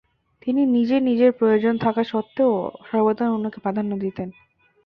তিনি নিজের প্রয়োজন থাকা সত্ত্বেও সর্বদা অন্যকে প্রাধান্য দিতেন।